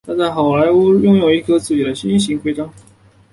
他在好莱坞星光大道拥有一颗自己的星形徽章。